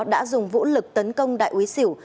đã dùng vũ lực tấn công đại úy sửu